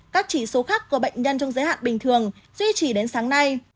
các chỉ số khác của bệnh nhân trong giới hạn bình thường duy trì đến sáng nay